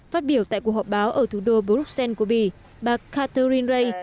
phát biểu tại cuộc họp báo ở thủ đô bruxelles của bì bà catherine ray